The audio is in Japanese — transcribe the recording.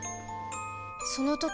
その時